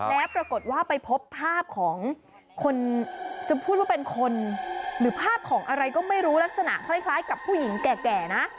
แล้วปรากฏว่าไปพบภาพของคนจะพูดว่าเป็นคนหรือภาพของอะไรก็ไม่รู้ลักษณะคล้ายกับผู้หญิงแก่นะ